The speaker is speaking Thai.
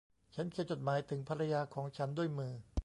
ฉันเขียนจดหมายถึงภรรยาของฉันด้วยมือ